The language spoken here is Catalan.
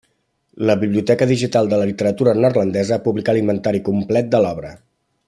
La Biblioteca digital de la literatura neerlandesa publicà l'inventari complet de l'obra.